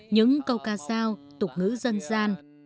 những câu ca sao tục ngữ dân gian